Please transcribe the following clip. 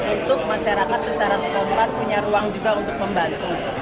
untuk masyarakat secara spontan punya ruang juga untuk membantu